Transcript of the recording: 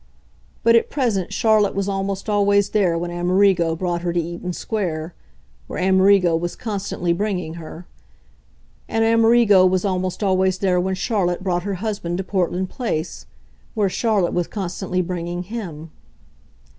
But at present Charlotte was almost always there when Amerigo brought her to Eaton Square, where Amerigo was constantly bringing her; and Amerigo was almost always there when Charlotte brought her husband to Portland Place, where Charlotte was constantly bringing HIM.